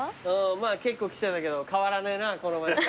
まぁ結構来てたけど変わらねえなこの町は。